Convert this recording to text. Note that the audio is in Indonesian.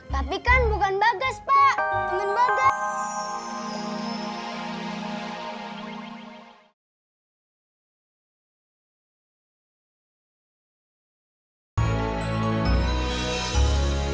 tapi kan bukan bagas pak